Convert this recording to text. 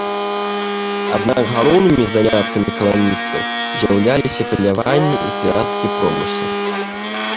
Аднак галоўнымі заняткамі каланістаў з'яўляліся паляванне і пірацкі промысел.